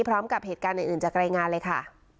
พร้อมกับเหตุการณ์อื่นจากรายงานเลยค่ะ